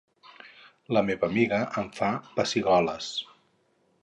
La meva amiga em fa pessigoles